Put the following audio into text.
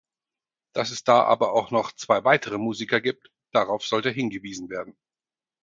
Dass es da aber auch noch zwei weitere Musiker gibt, darauf sollte hingewiesen werden.